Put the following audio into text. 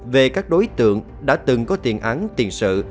về các đối tượng đã từng có tiền án tiền sự